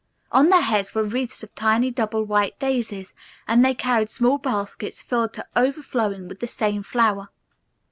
On their heads were wreaths of tiny double white daisies and they carried small baskets filled to overflowing with the same flower.